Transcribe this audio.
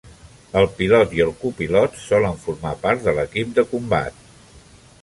El pilot i el copilot solen formar part de l'equip de combat.